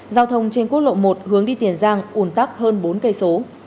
giao thông trên quốc lộ một hướng đi tiền giang ủn tắc hơn bốn km